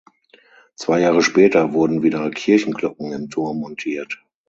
Zwei Jahre später wurden wieder Kirchenglocken im Turm montiert.